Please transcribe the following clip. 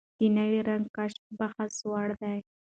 د نوي رنګ کشف د بحث وړ دی.